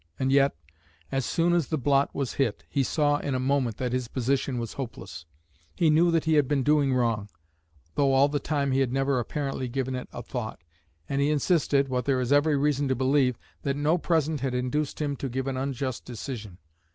And yet, as soon as the blot was hit, he saw in a moment that his position was hopeless he knew that he had been doing wrong; though all the time he had never apparently given it a thought, and he insisted, what there is every reason to believe, that no present had induced him to give an unjust decision.